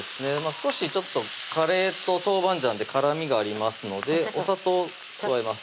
少しちょっとカレーと豆板醤で辛みがありますのでお砂糖を加えます